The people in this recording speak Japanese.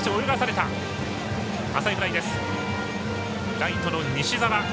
ライトの西澤。